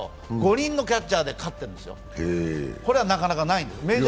５人のキャッチャーで勝ってるんですよ、これはなかなかない。